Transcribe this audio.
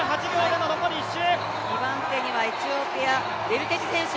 ２番手にはエチオピア、ウェルテジ選手。